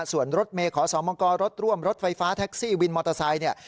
ส่วนรถเมย์ขอสมกรรถร่วมรถไฟฟ้าแท็กซี่วินมอเตอร์ไซค์เนี่ย